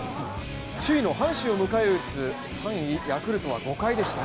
首位の阪神を迎え撃つ３位・ヤクルトは５回でした。